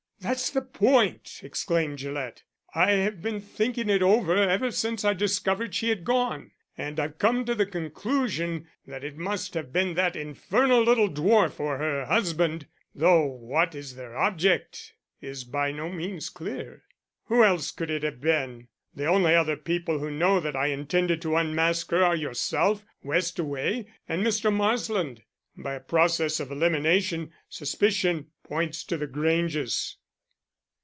"That's the point!" exclaimed Gillett. "I have been thinking it over ever since I discovered she had gone, and I've come to the conclusion that it must have been that infernal little dwarf or her husband, though what is their object is by no means clear. Who else could it have been? The only other people who know that I intended to unmask her are yourself, Westaway and Mr. Marsland. By a process of elimination suspicion points to the Granges."